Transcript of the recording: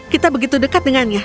kita begitu dekat dengannya